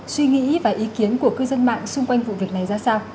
suy nghĩ và ý kiến của cư dân mạng xung quanh vụ việc này ra sao